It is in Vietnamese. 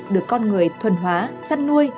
được con người thuần hóa chăn nuôi